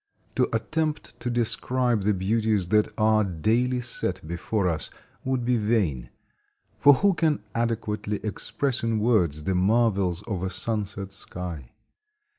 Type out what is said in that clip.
To attempt to describe the beauties that are daily set before us would be vain; for who can adequately express in words the marvels of a sunset sky?